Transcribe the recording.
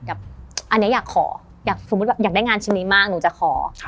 อันนี้อยากขออยากได้งานชีวิตนี้มากหนูจะขอ